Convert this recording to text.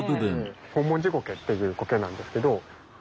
ホンモンジゴケっていうコケなんですけど。